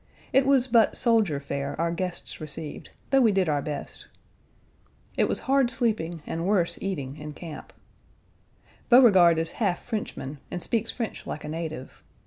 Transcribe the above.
It was but soldier fare our guests received, though we did our best. It was hard sleeping and worse eating in camp. Beauregard is half Frenchman and speaks French like a native.